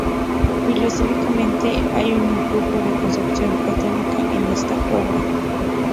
Filosóficamente, hay un influjo de concepción platónica en esta obra.